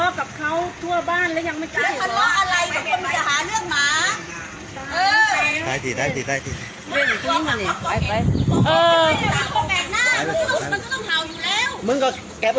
อาจจะบัดบอกวดทิ้งสัตว์